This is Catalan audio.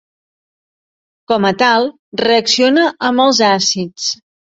Com a tal, reacciona amb els àcids.